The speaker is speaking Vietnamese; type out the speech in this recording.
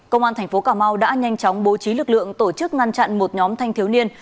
công an thành phố cà mau đã nhanh chóng bố trí lực lượng tổ chức ngăn chặn một nhóm thanh thiếu niên